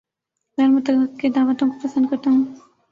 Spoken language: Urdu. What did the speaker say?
غیر متوقع دعوتوں کو پسند کرتا ہوں